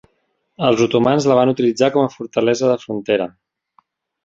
Els otomans la van utilitzar com a fortalesa de frontera.